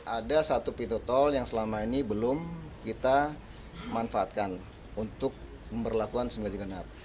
ada satu pitotol yang selama ini belum kita manfaatkan untuk memperlakukan semangat genap